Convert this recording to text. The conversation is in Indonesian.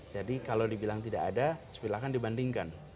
jadi kalau dibilang tidak ada sebilahkan dibandingkan